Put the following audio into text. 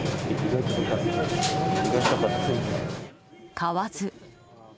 買わず。